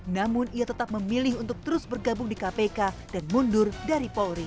namun ia tetap memilih untuk terus bergabung di kpk dan mundur dari polri